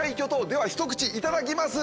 では一口いただきます！